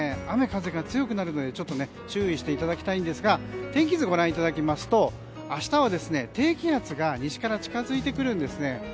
雨風が強くなるので注意していただきたいんですが天気図をご覧いただきますと明日は低気圧が西から近づいてくるんですね。